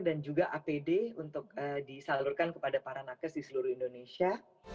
dan juga apd untuk disalurkan kepada para nakas di seluruh indonesia